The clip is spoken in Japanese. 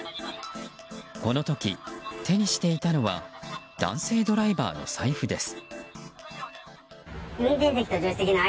この時、手にしていたのは男性ドライバーの財布です。